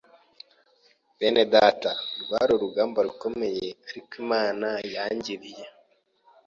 Bene data rwari urugamba rukomeye ariko Imana yangiriye